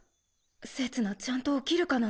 せつなちゃんと起きるかな。